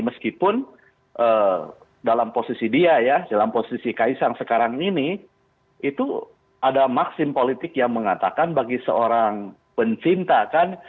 meskipun dalam posisi dia ya dalam posisi kaisang sekarang ini itu ada maksim politik yang mengatakan bagi seorang pencinta kan